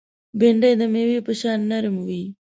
بېنډۍ د مېوې په شان نرم وي